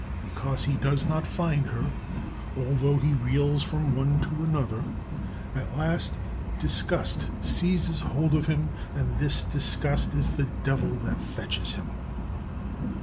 Because he does not find her, although he reels from one to another, at last Disgust seizes hold of him, and this Disgust is the Devil that fetches him."